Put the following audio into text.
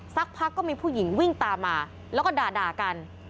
สักพักก็มีผู้หญิงวิ่งตามมาแล้วก็ด่ากัน